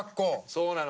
そうなの。